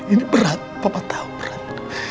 ini berat papa tahu berat